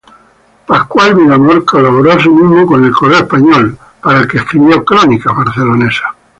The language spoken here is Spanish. Pascual Villamor colaboró asimismo con "El Correo Español", para el que escribió crónicas barcelonesas.